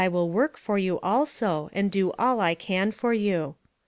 will work for you also, and do all I can for you.